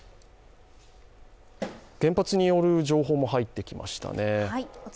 原発による情報も入ってきましたね。